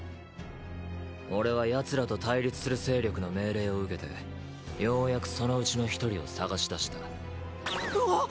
俺はヤツらと対立する勢力の命令を受けてようやくそのうちの一人を捜し出したふおっ